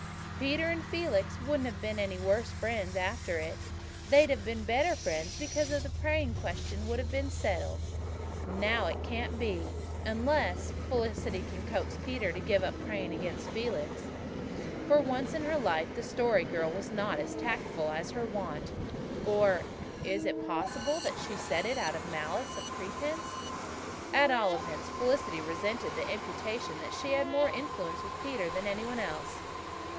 Peter and Felix wouldn't have been any worse friends after it. They'd have been better friends because the praying question would have been settled. And now it can't be unless Felicity can coax Peter to give up praying against Felix." For once in her life the Story Girl was not as tactful as her wont. Or is it possible that she said it out of malice prepense? At all events, Felicity resented the imputation that she had more influence with Peter than any one else.